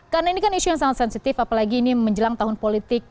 karena ini kan isu yang sangat sensitif apalagi ini menjelang tahun politik